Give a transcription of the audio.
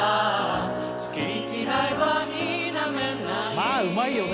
まあうまいよね